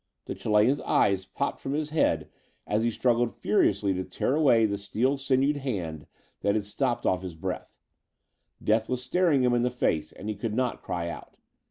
The Chilean's eyes popped from his head as he struggled furiously to tear away the steel sinewed hand that had stopped off his breath. Death was staring him in the face, and he could not cry out.